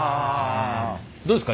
どうですか？